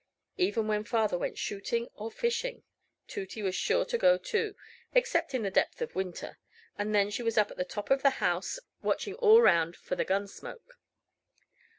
Even when father went shooting or fishing, Tooty was sure to go too, except in the depth of winter; and then she was up at the top of the house, watching all round for the gun smoke.